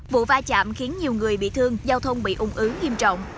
vụ va chạm khiến nhiều người bị thương giao thông bị ung ứ nghiêm trọng